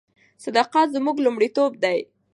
صداقت زموږ لومړیتوب دی.